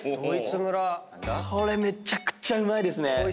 これめちゃくちゃうまいですね。